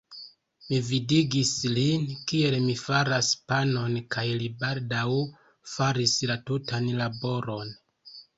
Mi vidigis lin, kiel mi faras panon, kaj li baldaŭ faris la tutan laboron.